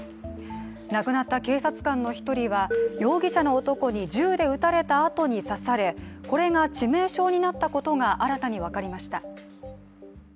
亡くなった警察官の１人は、容疑者の男に銃で撃たれたあとに刺され、これが致命傷になったことが新たに分かりました。